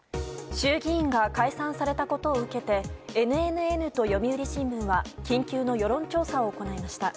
衆議院が解散されたことを受けてＮＮＮと読売新聞は緊急の世論調査を行いました。